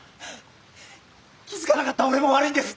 気付かなかった俺も悪いんです。